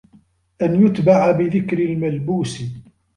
أَنْ يُتْبَعَ بِذِكْرِ الْمَلْبُوسِ